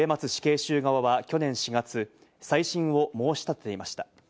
植松死刑囚側は去年４月、再審を申し立てていました。